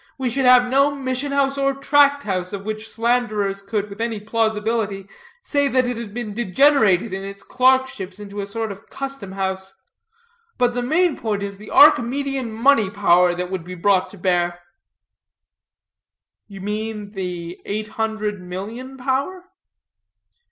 We should have no mission house or tract house of which slanderers could, with any plausibility, say that it had degenerated in its clerkships into a sort of custom house. But the main point is the Archimedean money power that would be brought to bear." "You mean the eight hundred million power?"